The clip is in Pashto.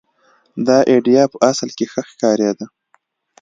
دا اېډیا په اصل کې ښه ښکارېده.